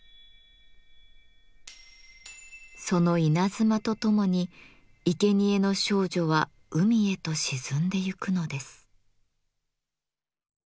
その稲妻とともにいけにえの少女は海へと沈んでゆくのです。